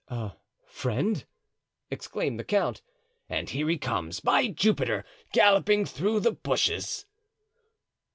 "A friend!" exclaimed the count. "And here he comes, by Jupiter! galloping through the bushes."